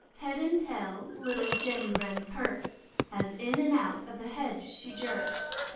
Head and tail little Jenny Wren perks, As in and out of the hedge she jerks.